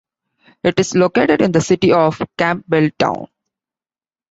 It is located in the City of Campbelltown.